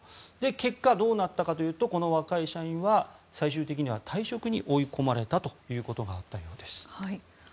結果、どうなったかというとこの若い社員は最終的には退職に追い込まれたことがあったようです。